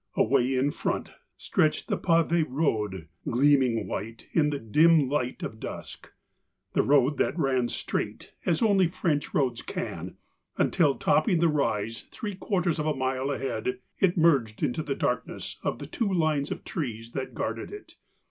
Away in front stretched the pave road, gleaming white in the dim light of dusk, the road that ran straight, as only French roads can, until, topping the rise three quarters of a mile ahead, it merged into the darkness of the two lines of trees that guarded it.